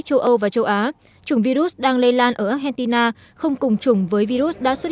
châu âu và châu á chủng virus đang lây lan ở argentina không cùng chủng với virus đã xuất